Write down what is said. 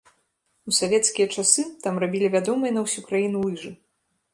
У савецкія часы там рабілі вядомыя на ўсю краіну лыжы.